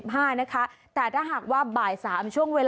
ฮัลโหลฮัลโหลฮัลโหลฮัลโหล